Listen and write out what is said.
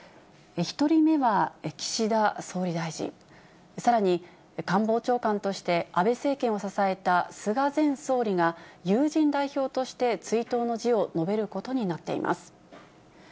１人目は岸田総理大臣、さらに官房長官として安倍政権を支えた菅前総理が、友人代表として追悼の辞を述べることになっています。